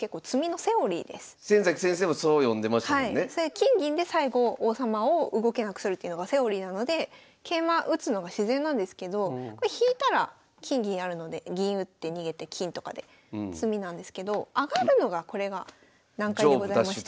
金銀で最後王様を動けなくするっていうのがセオリーなので桂馬打つのが自然なんですけどこれ引いたら金銀あるので銀打って逃げて金とかで詰みなんですけど上がるのがこれが難解でございまして。